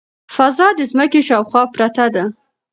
فضا د ځمکې شاوخوا پرته ده.